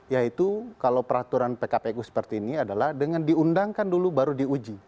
yaitu kalau peraturan pkpu seperti ini adalah dengan diundangkan dulu baru diuji